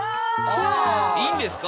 いいんですか？